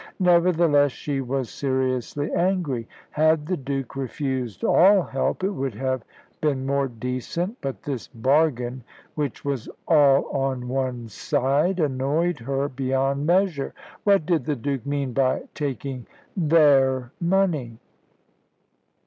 Nevertheless, she was seriously angry. Had the Duke refused all help, it would have been more decent; but this bargain, which was all on one side, annoyed her beyond measure. What did the Duke mean by taking their money?